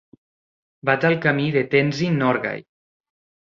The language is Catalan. Vaig al camí de Tenzing Norgay.